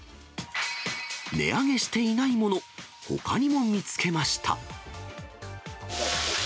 値上げしていないもの、ほかにも見つけました。